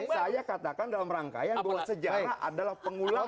saya katakan dalam rangkaian bahwa sejarah adalah pengulangan